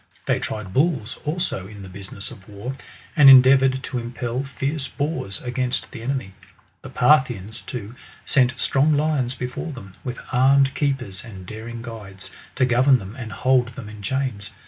They tried bulls, also, in the business of war, and endea voured to impel fierce boars against the enemy. The Parthi ans, too, sent strong lions before them, with armed keepers and daring guides, to goyem them and hold them in chaiiis.